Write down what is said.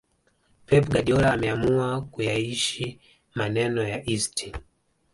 Pep Guadiola ameamua kuyaishi maneno ya Eistein